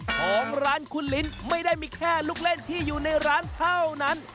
ของร้านคุณลิ้นไม่ได้มีแค่ลูกเล่นที่อยู่ในร้านเท่านั้น